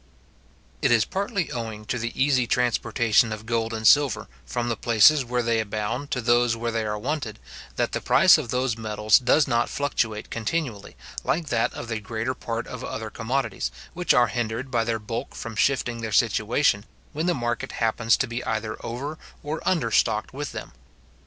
It is partly owing to the easy transportation of gold and silver, from the places where they abound to those where they are wanted, that the price of those metals does not fluctuate continually, like that of the greater part of other commodities, which are hindered by their bulk from shifting their situation, when the market happens to be either over or under stocked with them.